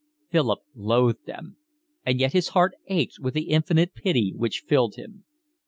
Philip loathed them, and yet his heart ached with the infinite pity which filled him.